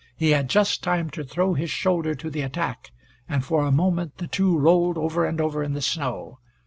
He had just time to throw his shoulder to the attack, and for a moment the two rolled over and over in the snow.